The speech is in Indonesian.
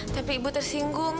tapi ibu tersinggung